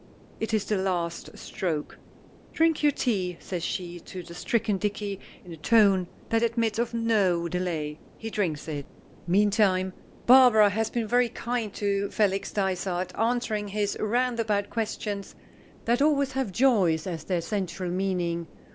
It is the last stroke. "Drink your tea," says she to the stricken Dicky in a tone that admits of no delay. He drinks it. Meantime, Barbara has been very kind to Felix Dysart, answering his roundabout questions that always have Joyce as their central meaning.